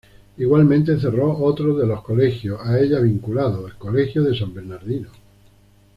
Igualmente cerró otro de los colegios a ella vinculados, el Colegio de San Bernardino.